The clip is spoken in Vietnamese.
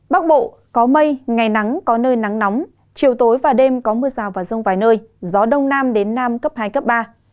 bắc bộ có mây ngày nắng có nơi nắng nóng chiều tối và đêm có mưa rào và rông vài nơi gió đông nam đến nam cấp hai cấp ba